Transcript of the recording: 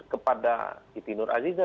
kepada siti nur aziza